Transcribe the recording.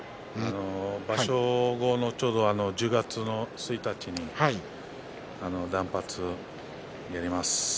場所後のちょうど１０月１日に断髪やります。